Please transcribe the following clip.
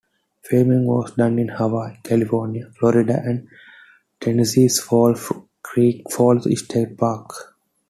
Filming was done in Hawaii, California, Florida, and Tennessee's Fall Creek Falls State Park.